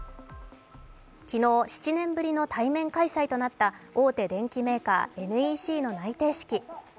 昨日７年ぶりの対面開催となった大手電機メーカーＮＥＣの内定式。